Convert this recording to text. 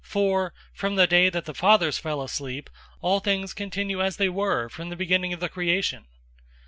For, from the day that the fathers fell asleep, all things continue as they were from the beginning of the creation."